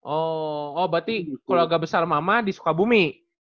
oh oh berarti keluarga besar mama di sukabumi